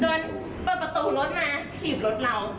เปิดประตูรถมาถีบรถเรา